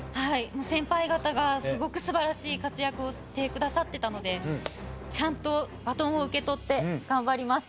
先輩方がすごく素晴らしい活躍をしてくださってたのでちゃんとバトンを受け取って頑張ります。